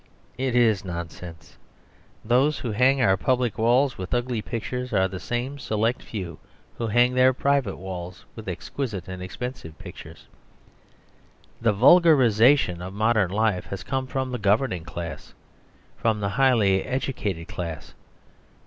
It is nonsense; those who hang our public walls with ugly pictures are the same select few who hang their private walls with exquisite and expensive pictures. The vulgarisation of modern life has come from the governing class; from the highly educated class.